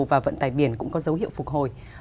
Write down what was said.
và vận tài biển cũng có dấu hiệu phục hồi